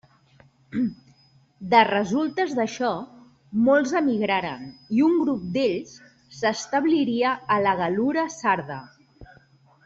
De resultes d'això, molts emigraren, i un grup d'ells s'establiria a la Gal·lura sarda.